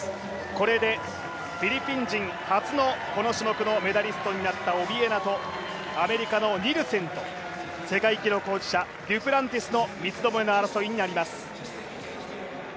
これでフィリピン人初のこの種目のメダリストになったオビエナとアメリカのニルセンと、世界記録保持者、デュプランティスの三つどもえの争いになります。